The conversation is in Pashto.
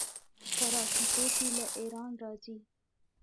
خوراکي توکي له ایران راځي.